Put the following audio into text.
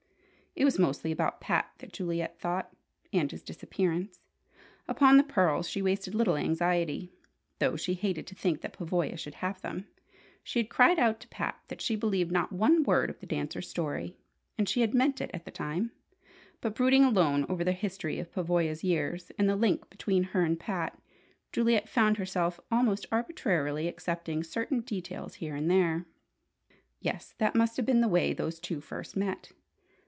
It was mostly about Pat that Juliet thought, and his disappearance. Upon the pearls she wasted little anxiety, though she hated to think that Pavoya should have them. She had cried out to Pat that she believed not one word of the dancer's story: and she had meant it at the time; but brooding alone over the history of Pavoya's years, and the link between her and Pat, Juliet found herself almost arbitrarily accepting certain details here and there. Yes, that must have been the way those two first met!